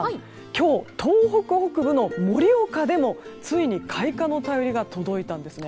今日、東北北部の盛岡でもついに開花の便りが届いたんですね。